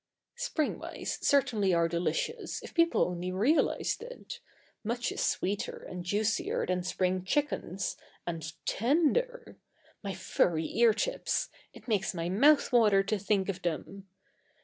Spring mice certainly are delicious if people only realized it much sweeter and juicier than Spring Chickens, and tender! My Furry Ear tips! It makes my mouth water to think of them!